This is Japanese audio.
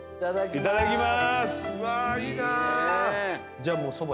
いただきます。